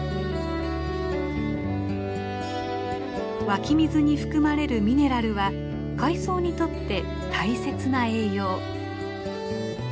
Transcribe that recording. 湧き水に含まれるミネラルは海藻にとって大切な栄養。